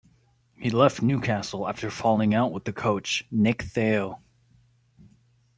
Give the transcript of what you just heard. He left Newcastle after falling out with the coach Nick Theo.